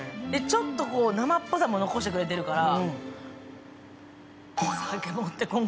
ちょっと生っぽさも残してくれてるから。